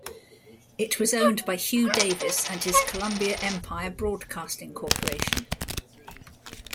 It was owned by Hugh Davis and his Columbia Empire Broadcasting Corporation.